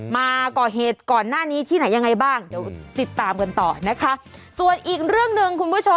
มาก่อเหตุก่อนหน้านี้ที่ไหนยังไงบ้าง